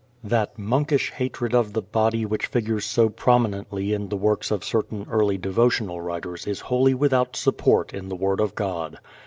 That monkish hatred of the body which figures so prominently in the works of certain early devotional writers is wholly without support in the Word of God.